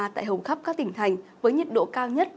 tại hầu khắp các tỉnh thành với nhiệt độ cao nhất